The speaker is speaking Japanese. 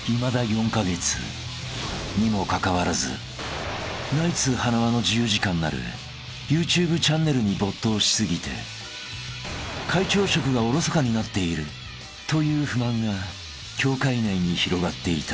［にもかかわらず「ナイツ塙の自由時間」なるＹｏｕＴｕｂｅチャンネルに没頭し過ぎて会長職がおろそかになっているという不満が協会内に広がっていた］